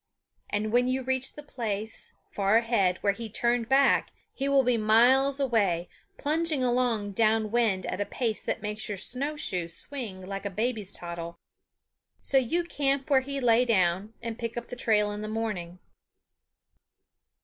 And when you reach the place, far ahead, where he turned back he will be miles away, plunging along down wind at a pace that makes your snowshoe swing like a baby's toddle. So you camp where he lay down, and pick up the trail in the morning.